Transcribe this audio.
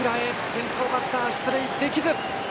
先頭バッター出塁できず！